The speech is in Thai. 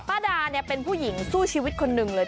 ป้าดาเป็นผู้หญิงสู้ชีวิตคนหนึ่งเลย